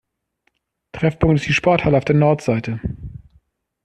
Treffpunkt ist die Sporthalle auf der Nordseite.